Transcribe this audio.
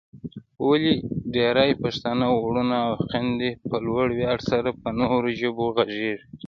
ولې ډېرای پښتانه وروڼه او خويندې په لوړ ویاړ سره په نورو ژبو غږېږي؟